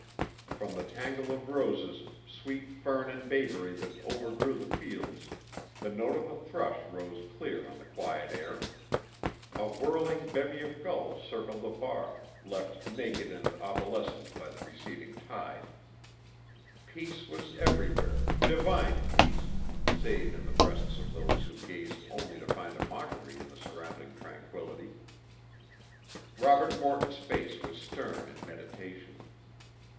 From the tangle of roses, sweet fern and bayberry that overgrew the fields the note of a thrush rose clear on the quiet air. A whirling bevy of gulls circled the bar, left naked and opalescent by the receding tide. Peace was everywhere, divine peace, save in the breasts of those who gazed only to find a mockery in the surrounding tranquillity. Robert Morton's face was stern in meditation.